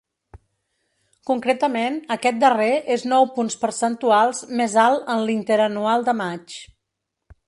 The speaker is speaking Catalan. Concretament, aquest darrer és nou punts percentuals més alt en l’interanual de maig.